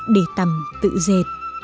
để tầm tự do